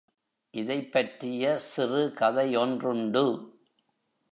இதைப்பற்றிய சிறு கதையொன்றுண்டு.